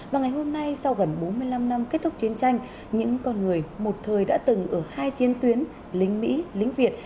và ngày hôm nay sau gần bốn mươi năm năm kết thúc chiến tranh những con người một thời đã từng ở hai chiến tuyến lính mỹ lĩnh việt